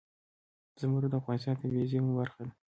زمرد د افغانستان د طبیعي زیرمو برخه ده.